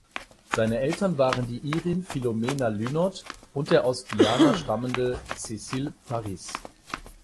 Seine Eltern waren die Irin Philomena Lynott und der aus Guyana stammende Cecil Parris.